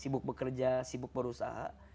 sibuk bekerja sibuk berusaha